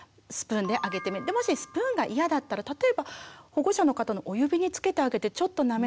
でもしスプーンが嫌だったら例えば保護者の方のお指につけてあげてちょっとなめさせてみる。